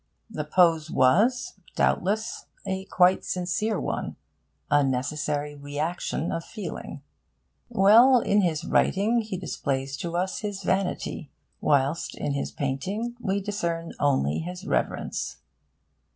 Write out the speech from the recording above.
The pose was, doubtless a quite sincere one, a necessary reaction of feeling. Well, in his writing he displays to us his vanity; whilst in his Painting we discern only his reverence.